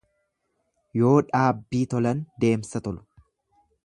Yoo dhaabbii tolan deemsa tolu.